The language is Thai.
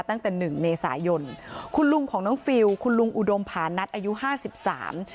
ตั้งแต่หนึ่งเมษายนคุณลุงของน้องฟิลคุณลุงอุดมผานัทอายุห้าสิบสาม